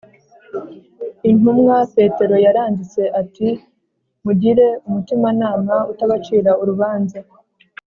Intumwa Petero yaranditse ati Mugire umutimanama utabacira urubanza